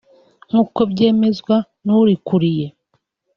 nk’uko byemezwa n’urikuriye